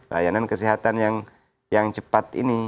layanan kesehatan yang cepat ini